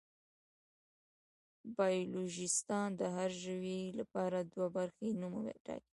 بایولوژېسټان د هر ژوي لپاره دوه برخې نوم ټاکي.